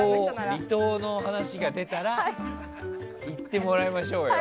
離島の話が出たら行ってもらいましょうよ。